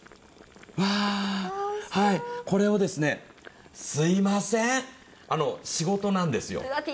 これをすいません、仕事なんですよ。